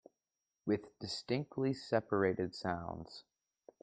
With distinctly separated sounds.